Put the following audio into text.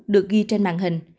được ghi trên mạng hình